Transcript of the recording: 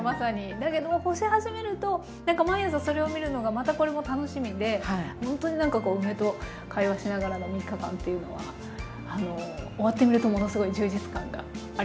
だけども干し始めると毎朝それを見るのがまたこれも楽しみでほんとに梅と会話しながらの３日間っていうのは終わってみるとものすごい充実感がありました。